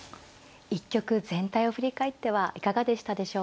一局全体を振り返ってはいかがでしたでしょうか。